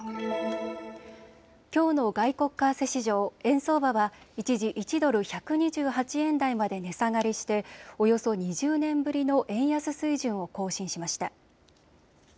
きょうの外国為替市場、円相場は一時１ドル１２８円台まで値下がりしておよそ２０年ぶりの円安水準を更新しました。